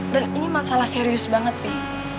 dan ini masalah serius banget pih